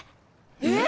えっ！？